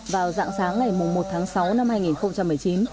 vào dạng sáng ngày một tháng sáu năm hai nghìn một mươi chín